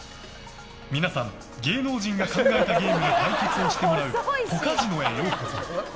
皆さん、芸能人が考えたゲームで対決してもらうポカジノへようこそ。